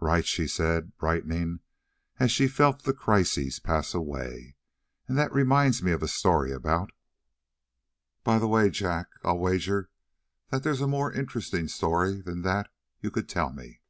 "Right," she said, brightening as she felt the crisis pass away, "and that reminds me of a story about " "By the way, Jack, I'll wager there's a more interesting story than that you could tell me."